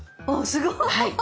すごい。